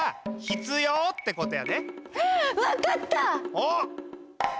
おっ！